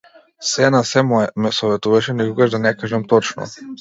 Сѐ на сѐ, ме советувате никогаш да не кажам точно?